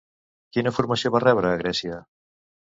Quina formació va rebre a Grècia?